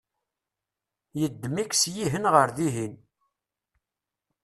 yeddem-ik syihen ɣer dihin